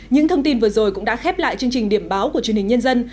những thông tin vừa rồi cũng đã khép lại chương trình điểm báo của chương trình nhân dân